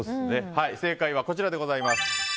正解はこちらでございます。